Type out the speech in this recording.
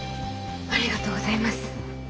ありがとうございます。